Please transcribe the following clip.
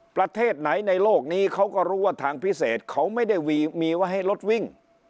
ประเทศไหนในโลกนี้เขาก็รู้ว่าทางพิเศษเขาไม่ได้มีว่าให้รถวิ่ง